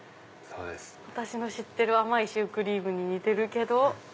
私の知ってる甘いシュークリームに似てるけど。